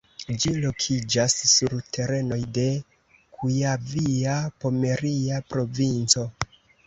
Ĝi lokiĝas sur terenoj de Kujavia-Pomeria Provinco.